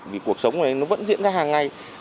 vì cuộc sống này nó vẫn diễn ra hàng ngày